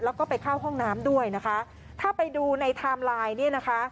แล้วก็ไปเข้าห้องน้ำด้วยนะคะถ้าไปดูในไทม์ไลน์เนี่ยนะคะ